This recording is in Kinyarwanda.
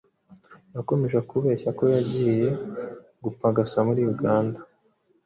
yakomeje kubeshya ko yagiye gupagasa muri Uganda,